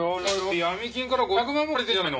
闇金から５００万も借りてんじゃないの！？